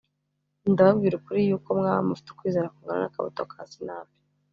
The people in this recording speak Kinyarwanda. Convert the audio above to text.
ndababwira ukuri yuko mwaba mufite kwizera kungana n’akabuto ka sinapi